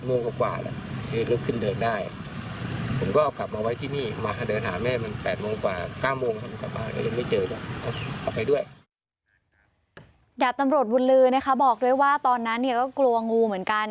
แบบทำโหลดวุนลือนะคะบอกด้วยว่าเต้อนั้นเนี้ยก็กลัวงูเหมือนกันครับ